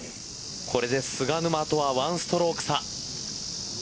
これで菅沼とは１ストローク差。